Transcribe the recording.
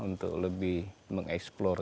untuk lebih mengeksplor